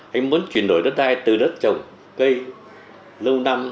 anh muốn chuyển đổi đất đai từ đất trồng cây lâu năm